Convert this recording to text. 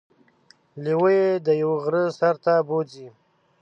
لیوه يې د یوه غره سر ته بوځي.